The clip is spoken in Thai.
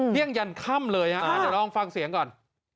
ยังยันค่ำเลยฮะเดี๋ยวลองฟังเสียงก่อน